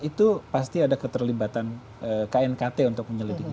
itu pasti ada keterlibatan knkt untuk menyelidiki